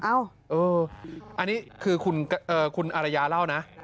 อันนี้คือคุณอารยาเล่านะ